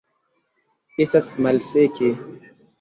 Estas malseke.